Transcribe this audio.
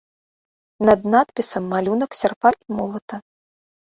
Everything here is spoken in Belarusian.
Над надпісам малюнак сярпа і молата.